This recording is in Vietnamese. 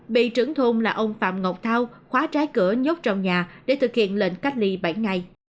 bị trưởng thôn là ông phạm ngọc thao khóa trái cửa nhốt trong nhà để thực hiện lệnh cách ly bảy ngày